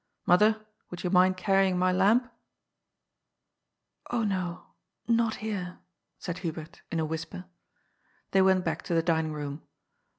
Mother, would you mind carrying my lamp ?"^' Oh no, not here," said Hubert, in a whisper. They went back to the dining room.